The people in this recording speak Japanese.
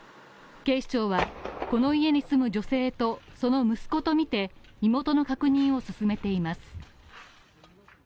警視庁はこの家に住む女性とその息子とみて身元の確認を進めています。